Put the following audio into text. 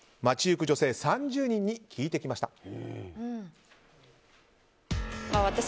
街行く女性３０人に聞いてきました。